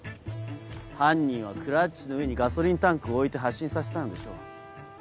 犯人はクラッチの上にガソリンタンクを置いて発進させたのでしょう。